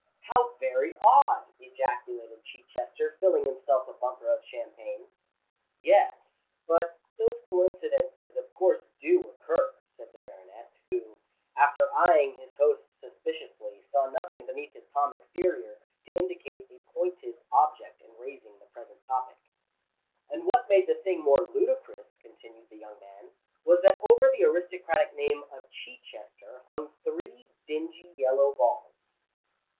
"How very odd!" ejaculated Chichester, filling himself a bumper of champagne. "Yes—but those coincidences of course do occur," said the baronet, who, after eyeing his host suspiciously, saw nothing beneath his calm exterior to indicate a pointed object in raising the present topic. "And what made the thing more ludicrous," continued the young man, "was that over the aristocratic name of Chichester hung three dingy yellow balls."